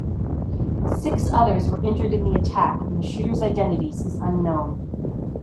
Six others were injured in the attack and the shooters identities is unknown.